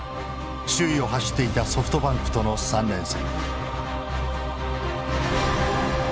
首位を走っていたソフトバンクとの３連戦。